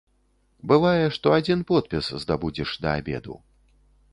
Бывае, што адзін подпіс здабудзеш да абеду.